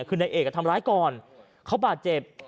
คือนายเอกทำร้ายก่อนเขาบาดเจ็บ